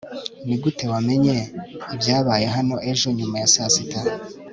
nigute wamenye ibyabaye hano ejo nyuma ya saa sita